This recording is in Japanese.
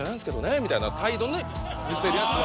みたいな態度に見せるヤツは。